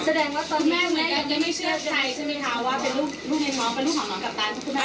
แสดงว่าตอนแม่คุณแม่ยังไม่เชื่อใครใช่มั้ยคะว่าเป็นลูกน้องกับตาล